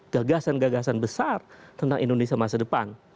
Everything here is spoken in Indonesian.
gagasan gagasan besar tentang indonesia masa depan